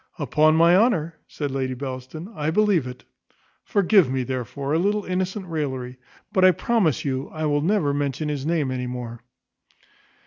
"Upon my honour," said Lady Bellaston, "I believe it. Forgive me, therefore, a little innocent raillery; but I promise you I will never mention his name any more."